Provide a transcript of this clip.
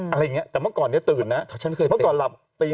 อะไรอย่างเงี้ยแต่เมื่อก่อนนี้ตื่นนะเมื่อก่อนหลับตี